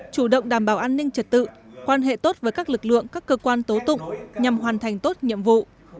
chủ động đảm bảo an ninh trật tự quan hệ tốt với các lực lượng các cơ quan tố tụng nhằm hoàn thành tốt nhiệm vụ